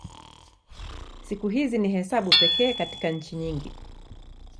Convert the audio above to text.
Siku hizi ni hesabu pekee katika nchi nyingi.